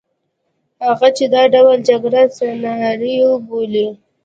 هغه چې دا ډول جګړې سناریو بولي.